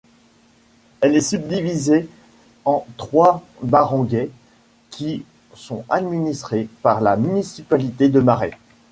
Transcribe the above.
Elle est subdivisée en trois barangays qui sont administrés par la municipalité de Maray.